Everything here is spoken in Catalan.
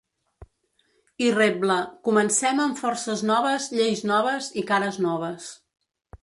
I rebla: Comencem amb forces noves, lleis noves i cares noves.